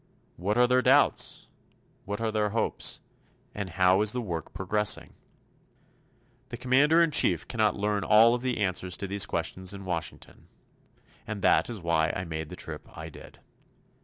What are their doubts? What are their hopes? And how is the work progressing? The Commander in Chief cannot learn all of the answers to these questions in Washington. And that is why I made the trip I did.